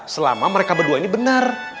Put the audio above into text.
selama mereka berdua ini benar